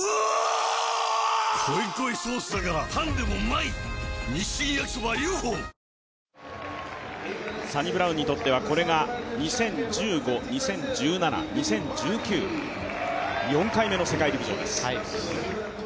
濃い濃いソースだからパンでもうまい‼日清焼そばＵ．Ｆ．Ｏ．サニブラウンにとっては、これが２０１５、２０１７、２０１９、４回目の世界陸上です。